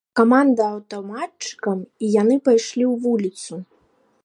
Каманда аўтаматчыкам, і яны пайшлі ў вуліцу.